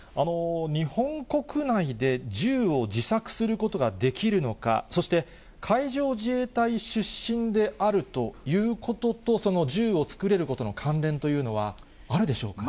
日本国内で銃を自作することができるのか、そして、海上自衛隊出身であるということと、その銃を作れることの関連というのは、あるでしょうか。